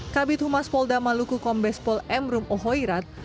kabit humas polda maluku kombes pol emrum ohhoirat